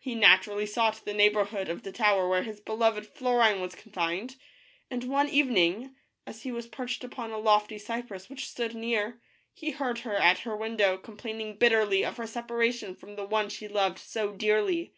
He naturally sought the neighborhood of the tower where his beloved Florine was confined, and one evening, as he was perched upon a lofty cypress which stood near, he heard her at her window, complaining bitterly of her separation from the one she loved so dearly.